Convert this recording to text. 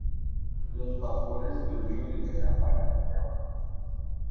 Los vapores que el río libera apagan las llamas.